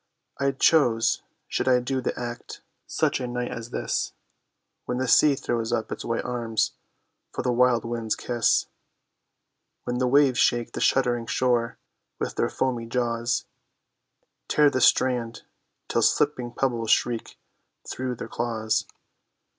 I'd choose—should I do the act—such a night as this, When the sea throws up white arms for the wild wind's kiss; When the waves shake the shuddering shore with their foamy jaws; Tear the strand, till slipping pebbles shriek through their claws.